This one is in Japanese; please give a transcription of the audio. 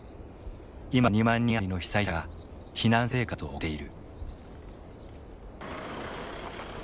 今も２万人余りの被災者が避難生活を送っている。